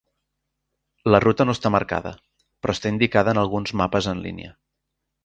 La ruta no està marcada, però està indicada en alguns mapes en línia.